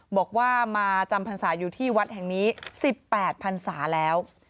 บอกว่ามาจำพรรษาอยู่ที่วัดแห่งนี้๑๘พันศาแล้ว